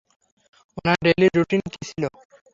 উনার daily routine কী ছিল?